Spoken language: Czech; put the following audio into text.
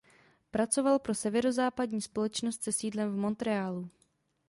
Pracoval pro Severozápadní společnost se sídlem v Montrealu.